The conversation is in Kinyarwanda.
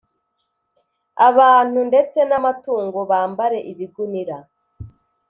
Abantu ndetse n amatungo bambare ibigunira